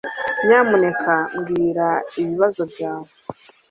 Nyamuneka mbwira ibibazo byawe